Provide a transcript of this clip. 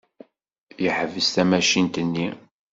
Yeḥbes tamacint-nni.